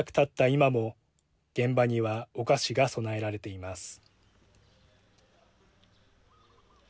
今も現場にはお菓子が供えられています。